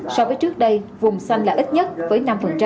so với trước đây vùng xanh là ít nhất với năm